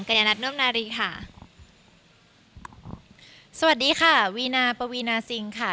ญานัทนวมนารีค่ะสวัสดีค่ะวีนาปวีนาซิงค่ะ